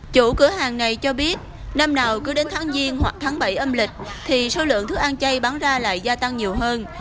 chủ cửa hàng này cho biết năm nào cứ đến tháng giêng hoặc tháng bảy âm lịch thì số lượng thức ăn chay bán ra lại gia tăng nhiều hơn